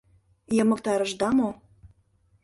— Йымыктарышда мо?